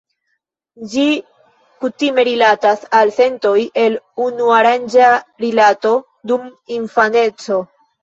Ĝi kutime rilatas al sentoj el unuaranga rilato dum infaneco.